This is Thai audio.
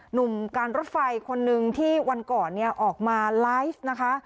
หนุ่มการรถไฟคนนึงที่วันก่อนเนี่ยออกมาไลฟ์นะคะ